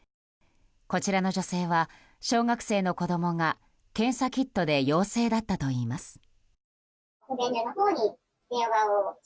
こちらの女性は、小学生の子供が検査キットで陽性だったといいます。